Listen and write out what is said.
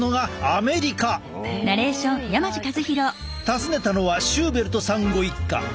訪ねたのはシューベルトさんご一家。